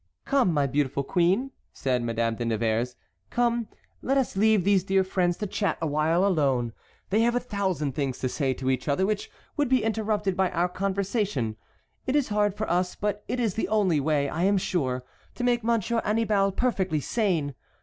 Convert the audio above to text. "Come, my beautiful queen," said Madame de Nevers, "come, let us leave these dear friends to chat awhile alone. They have a thousand things to say to each other which would be interrupted by our conversation. It is hard for us, but it is the only way, I am sure, to make Monsieur Annibal perfectly sane.